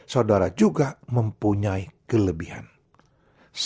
saudara juga mempunyai kekurangannya